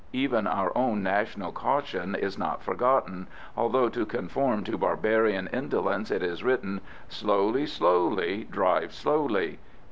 Even our own national caution is not forgotten, although to conform to barbarian indolence it is written, "Slowly, slowly; drive slowly."